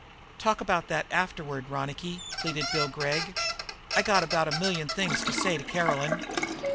"Talk about that afterward, Ronicky," pleaded Bill Gregg. "I got about a million things to say to Caroline."